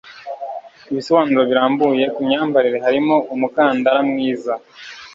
Ibisobanuro birambuye kumyambarire harimo umukandara mwiza.